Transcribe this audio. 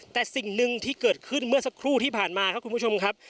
แต่สิ่งหนึ่งที่เกิดขึ้นเมื่อสักครู่ที่ผ่านมาครับคุณผู้ชมครับ